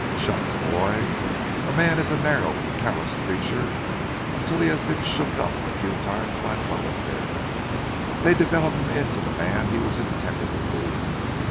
Shucks! boy, a man is a narrow, calloused creature until he has been shook up a few times by love affairs. They develop him into the man he was intended to be.